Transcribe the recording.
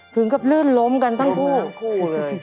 ถึงกับรื่นล้มกันตั้งคู่